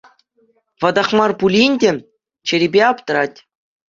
Ватах мар пулин те, чӗрипе аптрать.